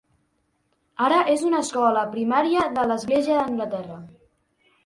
Ara és una escola primària de l'Església d'Anglaterra.